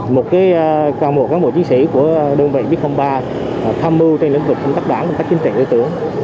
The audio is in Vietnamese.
một cán bộ chiến sĩ của đơn vị b ba tham mưu trong lĩnh vực xâm tác đoán xâm tác chính trị đối tượng